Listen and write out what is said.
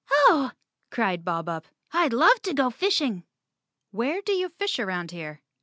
"Oh!" cried Bob Up, "I'd love to go fishing!" "Where do you fish around here?"